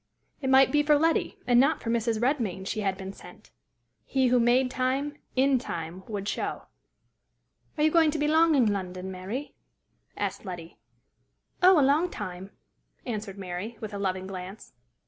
It might be for Letty, and not for Mrs. Redmain, she had been sent. He who made time in time would show. "Are you going to be long in London, Mary?" asked Letty. "Oh, a long time!" answered Mary, with a loving glance.